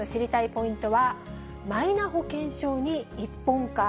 ポイントはマイナ保険証に一本化。